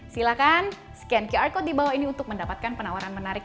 silakan scan qr code di bawah ini untuk mendapatkan penawaran menarik